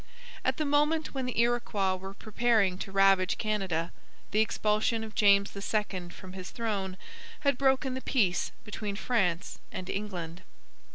At the moment when the Iroquois were preparing to ravage Canada, the expulsion of James II from his throne had broken the peace between France and England.